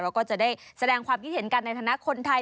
ก็ได้แสดงความคิดเห็นกันในฐานะคนไทย